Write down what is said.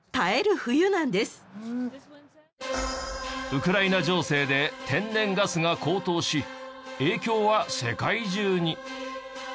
ウクライナ情勢で天然ガスが高騰し影響は世界中に。